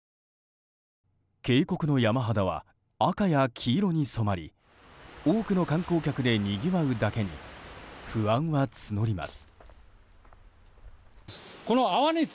渓谷の山肌は赤や黄色に染まり多くの観光客でにぎわうだけに不安は募ります。